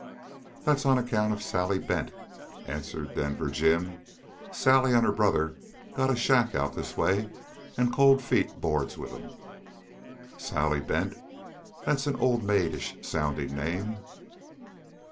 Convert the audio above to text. "That's on account of Sally Bent," answered Denver Jim. "Sally and her brother got a shack out this way, and Cold Feet boards with 'em." "Sally Bent! That's an old maidish sounding name."